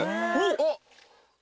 あっ！